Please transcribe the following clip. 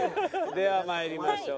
では参りましょう。